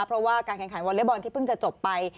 เพราะว่าการแข่งขันวอเล็กบอลที่เพิ่งจะจบไป